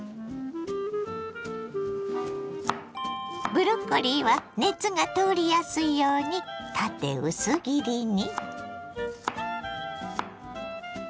ブロッコリーは熱が通りやすいように縦薄切りに。